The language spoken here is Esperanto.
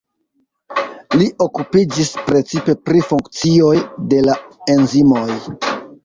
Li okupiĝis precipe pri funkcioj de la enzimoj.